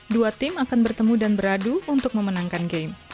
dua tim akan bertemu dan beradu untuk memenangkan game